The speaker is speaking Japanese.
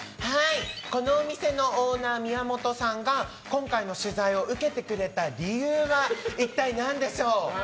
このお店のオーナー宮本さんが今回の取材を受けてくれた理由は一体何でしょう。